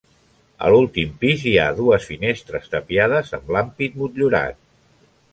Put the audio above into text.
A l'últim pis hi ha dues finestres tapiades amb l'ampit motllurat.